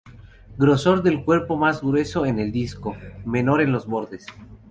Grosor del cuerpo más grueso en el disco, menor en los bordes.